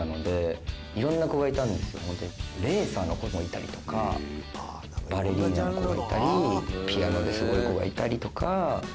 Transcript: レーサーの子もいたりとかバレリーナの子もいたりピアノですごい子がいたりとか。